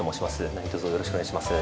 何とぞよろしくお願いします。